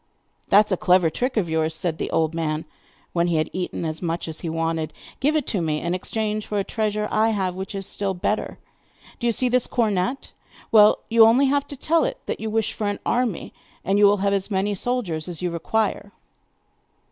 'That is a clever trick of yours,' said the old man, when he had eaten as much as he wanted. 'Give it to me in exchange for a treasure I have which is still better. Do you see this cornet? Well, you have only to tell it that you wish for an army, and you will have as many soldiers as you require.